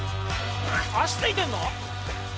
足ついてんの？